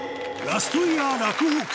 ラストイヤー洛北